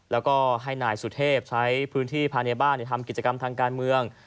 แล้วก็ให้นายสุเทพใช้พื้นที่ภายในบ้านทำกิจกรรมทางการเมือง